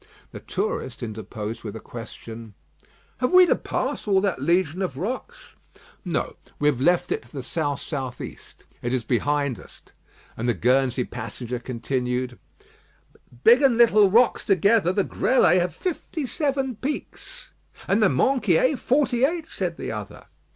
The tourist interposed with a question: "Have we to pass all that legion of rocks?" "No; we have left it to the sou' south east. It is behind us." And the Guernsey passenger continued: "Big and little rocks together, the Grelets have fifty seven peaks." "And the Minquiers forty eight," said the other.